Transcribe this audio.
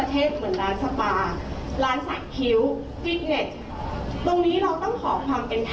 ทำงานได้ในคณะว่าติดเชื้อ